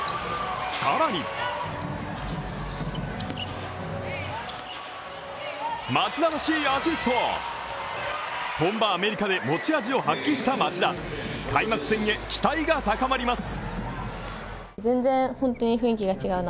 さらに町田らしいアシスト本場アメリカで持ち味を発揮した町田開幕戦へ期待が高まります。